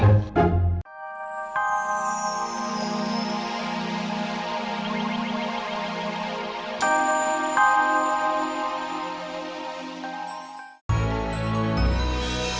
oh ya sudah